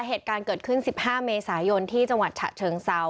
เหตุการณ์เกิดขึ้น๑๕เมษายนที่จังหวัดฉะเชิงเซา